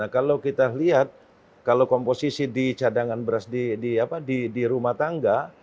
kalau kita lihat kalau komposisi di cadangan beras di rumah tangga